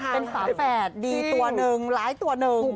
เป็นขาแฝดดีตัวนึงหลายตัวนึง